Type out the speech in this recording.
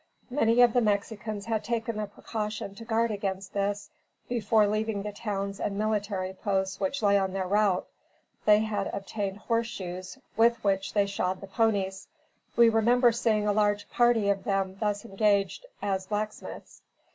Many of the Mexicans had taken the precaution to guard against this, before leaving the towns and military posts which lay on their route. They had obtained horse shoes, with which they shod the ponies. We remember seeing a large party of them thus engaged as blacksmiths.